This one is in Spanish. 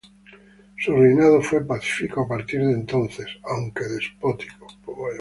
Su reinado fue pacífico a partir de entonces, aunque despótico.